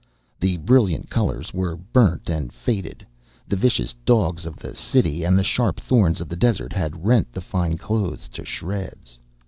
The brilliant colours were burnt and faded; the vicious dogs of the city and the sharp thorns of the desert had rent the fine clothes to shreds.